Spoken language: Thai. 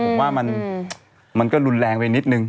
ผมว่ามันก็รุนแรงไปนิดนึง